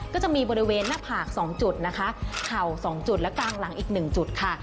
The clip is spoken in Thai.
ก็จะมีบริเวณหน้าผาก๒จุดนะคะเข่า๒จุดและกลางหลังอีก๑จุดค่ะ